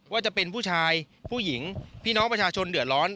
ว่าจะเป็นผู้ชายผู้หญิงพี่น้องประชาชนเดือดร้อน